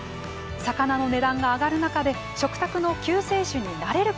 魚の値段が上がる中で食卓の救世主になれるか。